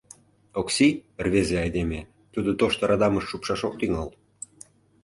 «Окси — рвезе айдеме, тудо тошто радамыш шупшаш ок тӱҥал».